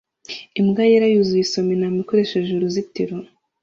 Imbwa yera yuzuye isoma intama ikoresheje uruzitiro